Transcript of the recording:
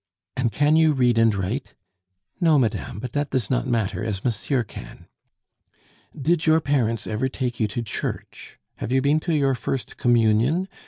"And can you read and write?" "No, madame; but that does not matter, as monsieur can." "Did your parents ever take you to church? Have you been to your first Communion?